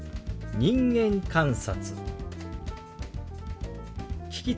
「人間観察」。